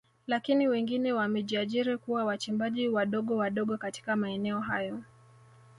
Lakini wengine wamejiajiri kuwa wachimbaji wadogo wadogo katika maeneo hayo